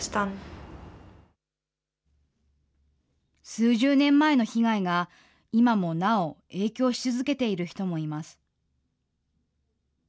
数十年前の被害が今もなお影響し続けている人もいます。